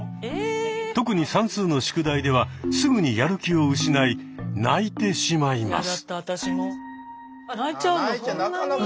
特に算数の宿題ではすぐにやる気を失い泣いてしまいます。